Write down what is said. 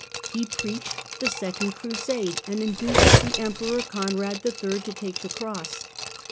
He preached the Second Crusade and induced the Emperor Conrad III. to take the cross.